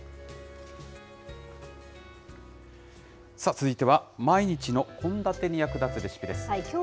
続いては毎日の献立に役立つレシピです。